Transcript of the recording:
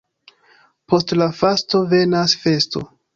Post la fasto venas festo.